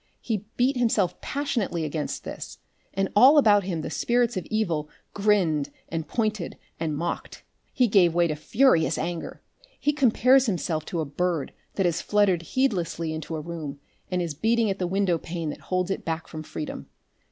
He beat himself passionately against this, and all about him the spirits of evil grinned and pointed and mocked. He gave way to furious anger. He compares himself to a bird that has fluttered heedlessly into a room and is beating at the window pane that holds it back from freedom.